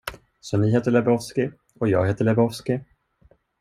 Så ni heter Lebowski, och jag heter Lebowski.